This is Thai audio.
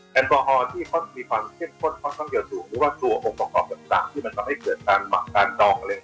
แต่ส่วนของที่มีความเช่นพดความเกี่ยวสูงตัวองค์ประกอบจากสร้างที่มันทำให้เกิดการหมักการดอง